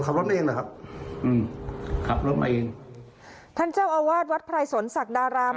ขับรถมาเองเหรอครับอืมขับรถมาเองท่านเจ้าอาวาสวัดไพรสนศักดาราม